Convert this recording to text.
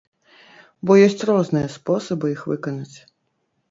Бо ёсць розныя спосабы іх выканаць.